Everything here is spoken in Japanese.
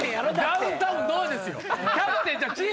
「ダウンタウンの」ですよ！